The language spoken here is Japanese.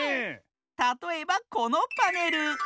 たとえばこのパネル。